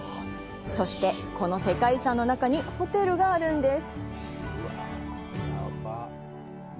そして、この世界遺産の中にホテルがあるんです。